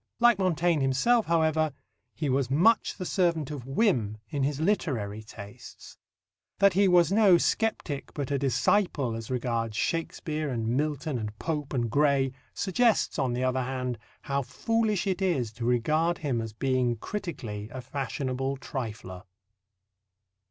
Like Montaigne himself, however, he was much the servant of whim in his literary tastes. That he was no sceptic but a disciple as regards Shakespeare and Milton and Pope and Gray suggests, on the other hand, how foolish it is to regard him as being critically a fashionable trifler.